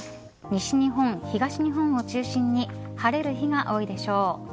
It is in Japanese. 西日本、東日本を中心に晴れる日が多いでしょう。